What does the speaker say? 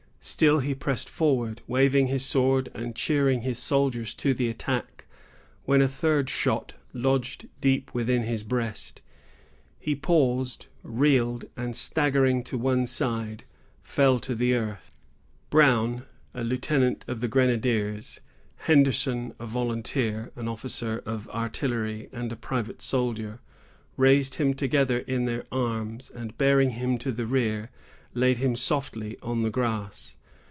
Still he pressed forward, waving his sword and cheering his soldiers to the attack, when a third shot lodged deep within his breast. He paused, reeled, and, staggering to one side, fell to the earth. Brown, a lieutenant of the grenadiers, Henderson, a volunteer, an officer of artillery, and a private soldier, raised him together in their arms, and, bearing him to the rear, laid him softly on the grass.